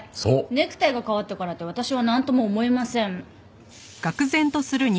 ネクタイが変わったからって私はなんとも思いません。